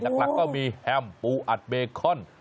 ดังนั้นก็มีแฮมปูอัดเบคอน